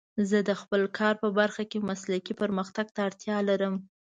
زه د خپل کار په برخه کې مسلکي پرمختګ ته اړتیا لرم.